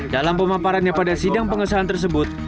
dalam pemaparannya pada sidang pengesahan tersebut